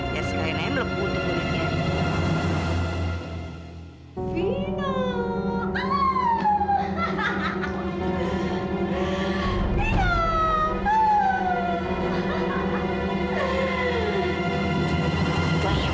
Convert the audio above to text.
biar sekali kali melebutin